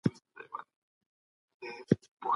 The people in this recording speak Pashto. بې وزلو سره مرسته وکړئ.